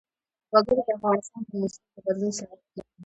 وګړي د افغانستان د موسم د بدلون سبب کېږي.